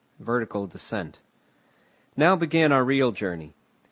VERTICAL DESCENT Now began our real journey.